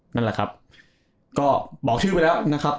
นั่นแหละครับก็บอกชื่อไว้แล้วนะครับ